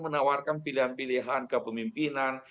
menawarkan pilihan pilihan ke pemimpinan